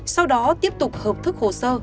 sau đó tiếp tục hợp thức hồ sơ